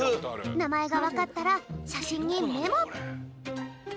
なまえがわかったらしゃしんにメモ。